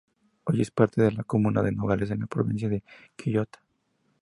Hoy es parte de la comuna de Nogales en la provincia de Quillota.